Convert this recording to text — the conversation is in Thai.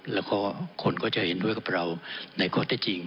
พอคนก็จะเห็นไว้กับเราในข้อติดตรีจริง